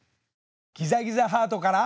ギザギザハートから。